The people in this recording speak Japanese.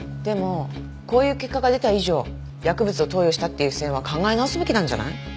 でもこういう結果が出た以上薬物を投与したっていう線は考え直すべきなんじゃない？